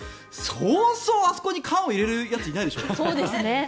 そうそうあそこに缶を入れるやついないでしょ。